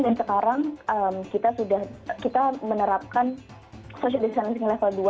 dan sekarang kita sudah menerapkan social distancing level dua